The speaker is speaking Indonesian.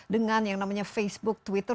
dengan yang namanya facebook twitter